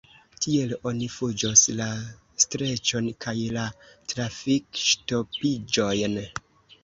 Tiel oni fuĝos la streĉon kaj la trafikŝtopiĝojn!